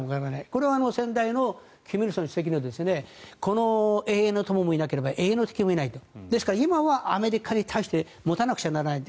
これは先代の金日成主席の永遠の友もいなければ永遠の敵もいないとですから今はアメリカに対して持たなくちゃならないと。